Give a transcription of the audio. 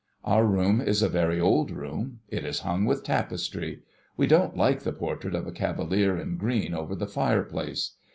Our room is a very old room. It is hung with tapestry. We don't like the portrait of a cavalier in green, over the fireplace.